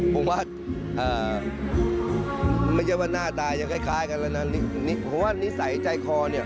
ผมว่าเอ่อไม่ใช่ว่าหน้าตายังคล้ายคล้ายกันแล้วนะนี่นี่เพราะว่านิสัยใจคอเนี้ย